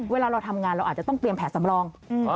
เวลาเราทำงานเราอาจจะต้องเตรียมแผนสำรอง